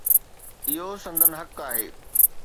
اهو سندن حق آهي.